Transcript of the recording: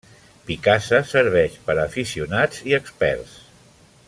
Picasa serveix per a aficionats i experts.